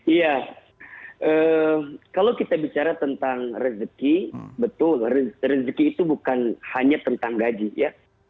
iya kalau kita bicara tentang rezeki betul rezeki itu bukan hanya tentang gaji ya